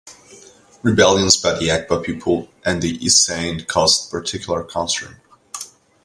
Rebellions by the Egba people and the Iseyin caused particular concern.